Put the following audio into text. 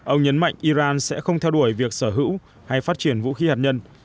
ông nhấn mạnh iran sẽ không theo đuổi việc sở hữu hay phát triển vũ khí hạt nhân